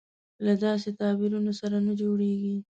له داسې تعبیرونو سره نه جوړېږي.